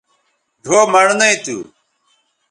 ڙھؤ مڑنئ تھو